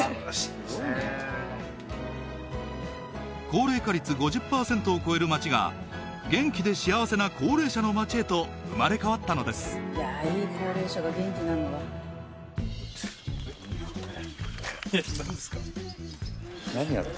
高齢化率５０パーセントを超える町が元気で幸せな高齢者の町へと生まれ変わったのですえっ